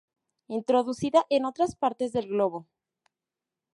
Introducida en otras partes del Globo.